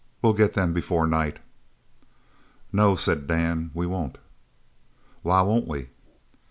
Well get them before night." "No," said Dan, "we won't." "Why won't we?"